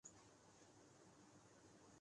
کسی بھی قسم کا پروفیشنل تعلق